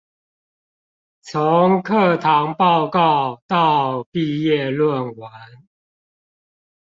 從課堂報告到畢業論文